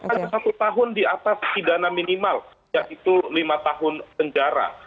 hanya satu tahun di atas pidana minimal yaitu lima tahun penjara